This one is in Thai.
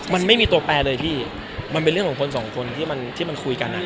มันไม่มีตัวแปลเลยพี่มันเป็นเรื่องของคนสองคนที่มันคุยกันอ่ะ